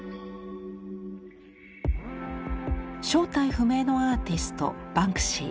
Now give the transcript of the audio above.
正体不明のアーティストバンクシー。